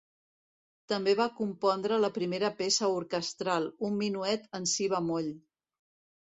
També va compondre la primera peça orquestral, un minuet en si bemoll.